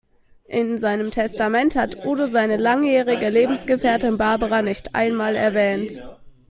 In seinem Testament hat Udo seine langjährige Lebensgefährtin Barbara nicht einmal erwähnt.